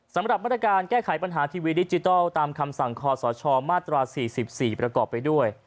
สำหรับมาตรการแก้ไขปัญหาทีวีดิจิทัลตามคำสั่งคอสชมาตรา๔๔ประกอบไปด้วย